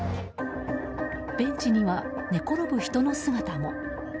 ベンチには寝転ぶ人の姿も。